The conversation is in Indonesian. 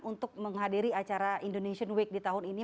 untuk menghadiri acara indonesian week di tahun ini